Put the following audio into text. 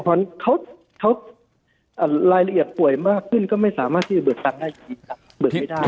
เพราะว่าเขาลายละเอียดป่วยมากขึ้นก็ไม่สามารถที่จะเบิกกันได้อย่างนี้ครับ